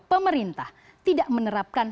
pemerintah tidak menerapkan